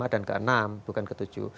ke enam bukan ke tujuh